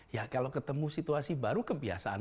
ya kalau ketemu situasi baru kebiasaan